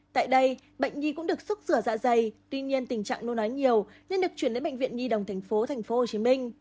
tại đây bệnh nhi cũng được xúc rửa dạ dày tuy nhiên tình trạng nôn ái nhiều nên được chuyển đến bệnh viện di đồng tp hcm